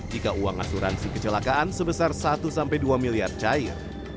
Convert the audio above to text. jika uang asuransi kecelakaan sebesar satu sampai dua miliar cair